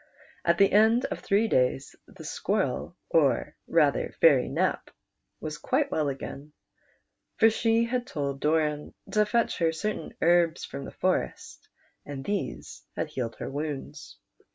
At the end of three days the Squirrel, or rather Fairy Nap, was quite well again, for she had told Doran to fetch her certain herbs from the forest, and tliese had healed her wounds.